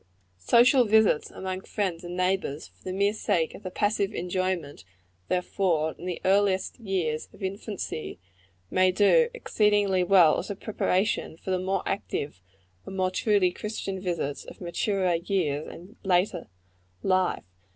Social visits among friends and neighbors, for the mere sake of the passive enjoyment they afford in the earliest years of infancy, may do exceedingly well as a preparation for the more active and more truly Christian visits of maturer years and later life.